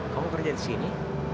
kamu pergi alis ini